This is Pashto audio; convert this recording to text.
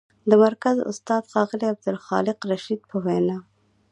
د مرکز استاد، ښاغلي عبدالخالق رشید په وینا: